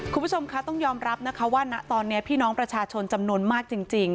คุณผู้ชมคะต้องยอมรับนะคะว่าณตอนนี้พี่น้องประชาชนจำนวนมากจริง